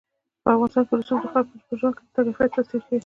په افغانستان کې رسوب د خلکو د ژوند په کیفیت تاثیر کوي.